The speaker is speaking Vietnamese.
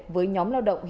với nhóm lao động